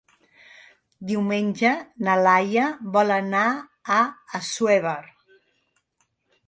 Diumenge na Laia vol anar a Assuévar.